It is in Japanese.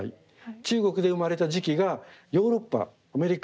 中国で生まれた磁器がヨーロッパアメリカ。